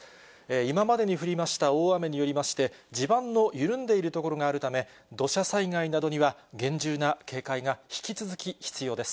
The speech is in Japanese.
今までに降りました大雨によりまして、地盤の緩んでいる所があるため、土砂災害などには厳重な警戒が引き続き必要です。